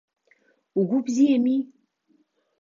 Угәы бзиами?